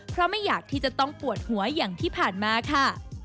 เพราะไม่อยากที่จะต้องปวดหัวอย่างที่ผ่านมาค่ะ